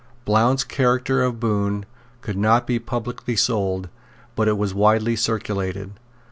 Blount's Character of Bohun could not be publicly sold; but it was widely circulated.